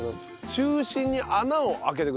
中心に穴をあけてください。